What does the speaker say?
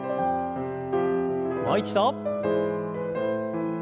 もう一度。